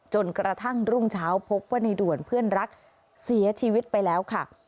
จนกระทั่งรุ่งเช้าพบว่าในด่วนเพื่อนรักเสียชีวิตไปแล้วค่ะ